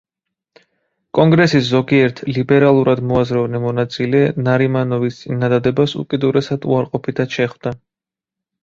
კონგრესის ზოგიერთ ლიბერალურად მოაზროვნე მონაწილე ნარიმანოვის წინადადებას უკიდურესად უარყოფითად შეხვდა.